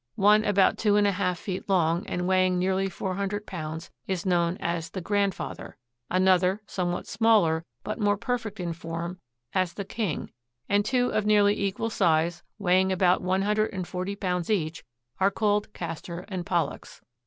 One about two and one half feet long, and weighing nearly four hundred pounds, is known as the "Grandfather"; another, somewhat smaller, but more perfect in form, as the "King," and two of nearly equal size, weighing about one hundred and forty pounds each, are called "Castor and Pollux."